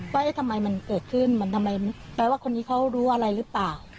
ว่าทำไมมันเกิดขึ้นมันทำไมแปลว่าคนนี้เขารู้อะไรหรือเปล่า